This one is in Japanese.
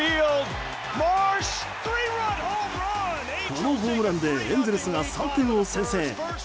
このホームランでエンゼルスが３点を先制。